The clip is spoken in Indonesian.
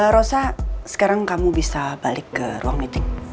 rosa sekarang kamu bisa balik ke ruang meeting